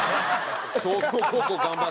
商業高校頑張って。